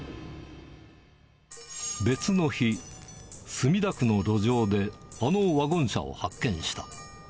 別の日、墨田区の路上で、あのワゴン車を発見した。